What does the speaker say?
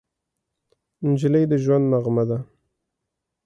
نجلۍ د ژوند نغمه ده.